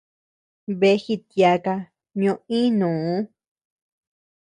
Bea jityaaka ñoo iinuu.